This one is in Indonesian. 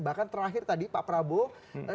bahkan terakhir tadi pak prabowo